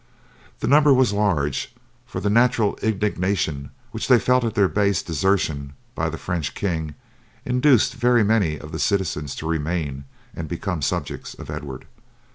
The number was large, for the natural indignation which they felt at their base desertion by the French king induced very many of the citizens to remain and become subjects of Edward.